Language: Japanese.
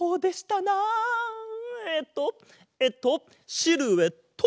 えっとえっとシルエット！